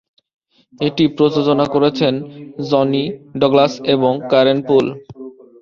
এটি প্রযোজনা করেছেন জনি ডগলাস এবং কারেন পুল।